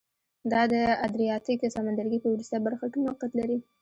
دا د ادریاتیک سمندرګي په وروستۍ برخه کې موقعیت لري